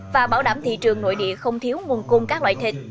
và bảo đảm thị trường nội địa không thiếu nguồn cung các loại thịt